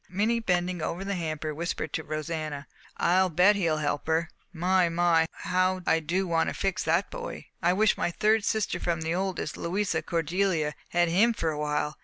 Minnie, bending over the hamper, whispered to Rosanna, "I'll bet he'll help her! My, my, how I do want to fix that boy! I wish my third sister from the oldest, Louisa Cordelia, had him for a while.